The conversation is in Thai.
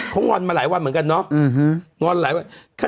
เขางอนมาหลายวันเหมือนกันเนาะงอนหลายวัน